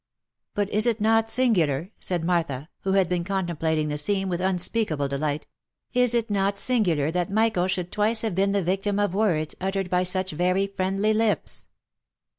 " But is it not singular," said Martha, who had been contemplating the scene with unspeakable delight, " is it not singular that Michael should twice have been the victim of words, uttered by such very friendly lips?"